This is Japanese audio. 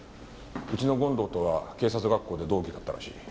うちの権藤とは警察学校で同期だったらしい。